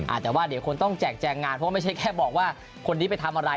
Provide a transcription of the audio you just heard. อาจจะว่าเดี๋ยวคนต้องแจกแจงงานเพราะว่าไม่ใช่แค่บอกว่าคนนี้ไปทำอะไร